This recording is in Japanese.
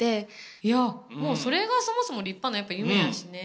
いや、もうそれがそもそも立派な夢やしね。